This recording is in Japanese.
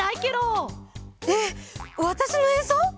えっわたしのえんそう？